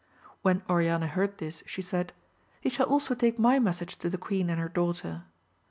When Oriana heard this she said. He shall also take my message to the queen and her daughter.